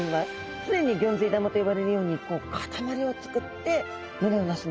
常にギョンズイ玉と呼ばれるように固まりを作って群れをなすんですね。